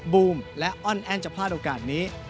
บูมและอ้อนแอ้นจะพลาดโอกาสนี้